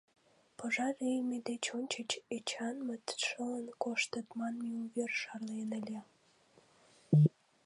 Пожар лийме деч ончыч Эчанмыт шылын коштыт манме увер шарлен ыле.